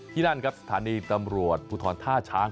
นั่นครับสถานีตำรวจภูทรท่าช้าง